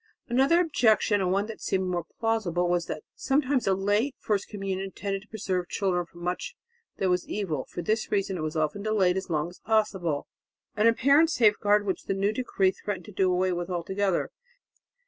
Another objection, and one that seemed more plausible, was that sometimes a late first communion tended to preserve children from much that was evil; for this reason it was often delayed as long as possible, an apparent safeguard which the new decree threatened to do away with altogether.